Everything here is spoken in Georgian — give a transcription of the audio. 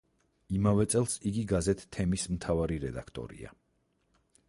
იმავე წელს იგი გაზეთ „თემის“ მთავარი რედაქტორია.